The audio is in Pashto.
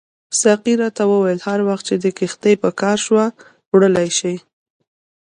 ساقي راته وویل هر وخت چې دې کښتۍ په کار شوه وړلای یې شې.